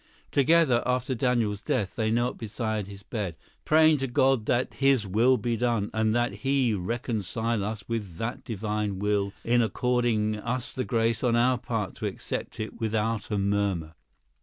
Together, after Daniel's death, they knelt beside his bed "praying to God that His will be done—and that He reconcile us to that Divine will, in according us the grace on our part to accept it without a murmur."